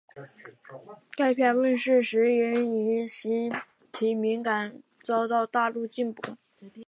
该片问世时因议题敏感遭到大陆禁播。